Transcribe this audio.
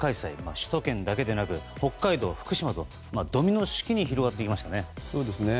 首都圏だけでなく北海道、福島とドミノ式に広がっていましたね。